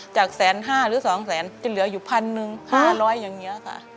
จากแสนห้าหรือสองแสนก็เหลืออยู่พันหนึ่งห้าร้อยอย่างงี้ค่ะ